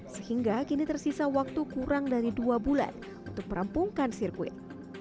sehingga kini tersisa waktu kurang dari dua bulan untuk merampungkan sirkuit